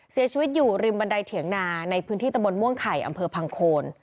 เสียชีวิตอยู่ริมบันไดเถียงนาในพื้นที่ตะบนม่วงไข่อำเภอพังโคน